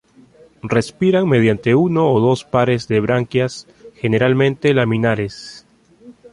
Respiran mediante uno o dos pares de branquias, generalmente laminares.